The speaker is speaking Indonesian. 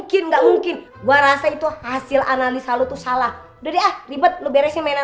gimana ya ini saya harus berpikir cepat